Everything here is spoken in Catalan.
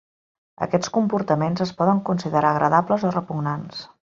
Aquests comportaments es poden considerar agradables o repugnants.